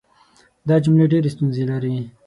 دا جملې ډېرې ستونزې لري.